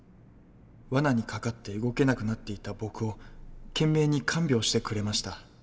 わなに掛かって動けなくなっていた僕を懸命に看病してくれました。